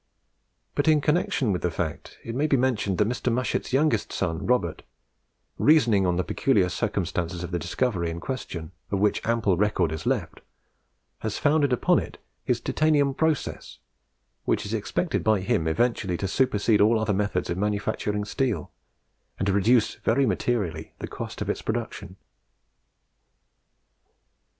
But in connection with the fact, it may be mentioned that Mr. Mushet's youngest son, Robert, reasoning on the peculiar circumstances of the discovery in question, of which ample record is left, has founded upon it his Titanium process, which is expected by him eventually to supersede all other methods of manufacturing steel, and to reduce very materially the cost of its production.